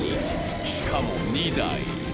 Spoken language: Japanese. しかも２台。